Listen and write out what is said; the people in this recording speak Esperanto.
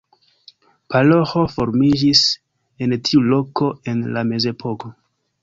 Paroĥo formiĝis en tiu loko en la mezepoko.